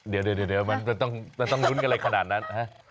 เดี๋ยวมันต้องลุ้นกันอะไรขนาดนั้น